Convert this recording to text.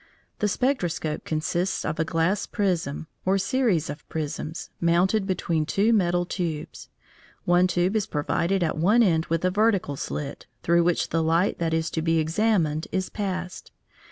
The spectroscope consists of a glass prism, or series of prisms, mounted between two metal tubes. One tube is provided at one end with a vertical slit, through which the light that is to be examined is passed.